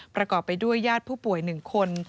ประกอบไปด้วยญาติผู้ป่วย๑คน